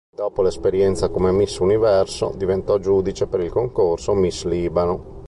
Dopo l'esperienza come Miss Universo diventò giudice per il concorso Miss Libano.